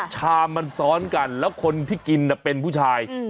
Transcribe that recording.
ชามมันซ้อนกันแล้วคนที่กินเป็นผู้ชาย